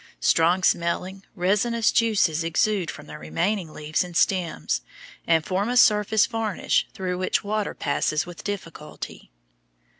Strong smelling, resinous juices exude from the remaining leaves and stems, and form a surface varnish through which water passes with difficulty.